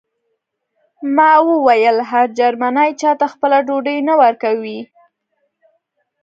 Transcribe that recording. ما وویل هر جرمنی چاته خپله ډوډۍ نه ورکوي